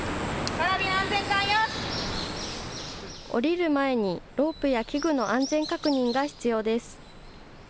降りる前にロープや器具の安全確認が必要です。